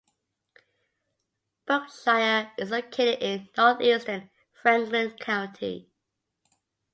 Berkshire is located in northeastern Franklin County.